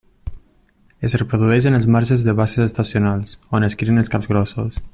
Es reprodueix en els marges de basses estacionals, on es crien els capgrossos.